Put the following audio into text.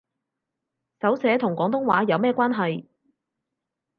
手寫同廣東話有咩關係